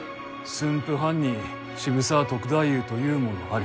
駿府藩に渋沢篤太夫というものあり。